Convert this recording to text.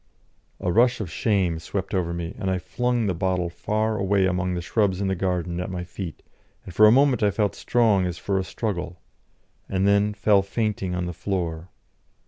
A rush of shame swept over me, and I flung the bottle far away among the shrubs in the garden at my feet, and for a moment I felt strong as for a struggle, and then fell fainting on the floor.